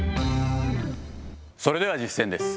それでは実践です。